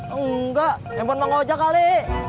enggak telepon mau ngajak kali